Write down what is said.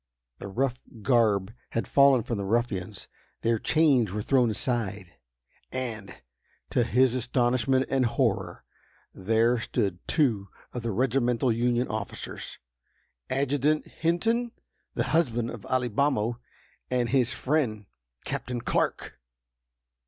The rough garb had fallen from the ruffians; their chains were thrown aside, and, to his astonishment and horror, there stood two of the regimental Union officers, ADJUTANT HINTON, the husband of Alibamo, and his friend, CAPTAIN CLARK!